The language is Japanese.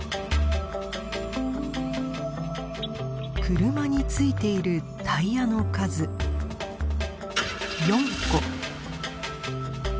車に付いているタイヤの数４個。